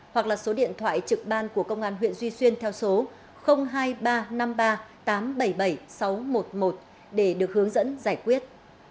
chín tám năm bảy bảy ba bảy hoặc là số điện thoại trực ban của công an huyện duy xuyên theo số hai ba năm ba tám bảy bảy sáu một một để được hướng dẫn giải quyết